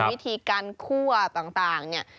วิธีการคั่วต่างเนี่ย